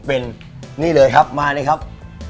เป็นนี่เลยครับมาเลยครับ